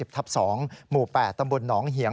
ทับ๒หมู่๘ตำบลหนองเหียง